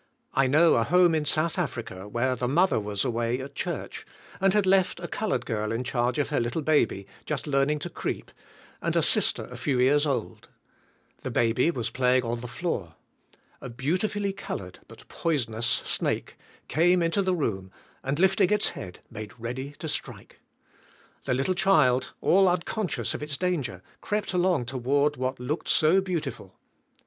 I know a home in South Africa, where the mother was away at church and had left a colored girl in charge of her little baby just learning to creep and a sister a few years old. The baby was 1"HK SKlvF I^IFK 49 playing on the floor. A beautifully colored but poisonous snake came into the room and lifting its head made ready to strike. The little child, all un conscious of its dang er, crept along toward what looked so beautiful.